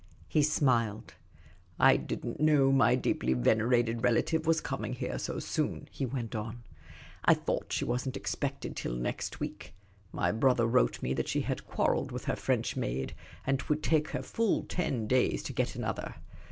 He smiled. " I did n't know my deeply venerated rela tive was coming here so soon," he went on. " I thought The Supercilious Attache 45 she was n't expected till next week ; my brother wrote me that she had quarrelled with her French maid, and 't would take her full ten days to get another.